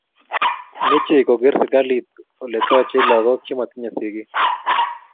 Mechei koker serikalit ole tochei lagok che matinye sigik